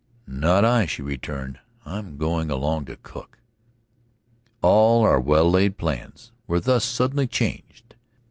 "Not I," she returned. "I'm going along to cook." All our well laid plans were thus suddenly changed.